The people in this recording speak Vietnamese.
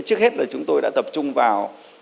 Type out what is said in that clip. trước hết là chúng tôi đã tập trung vào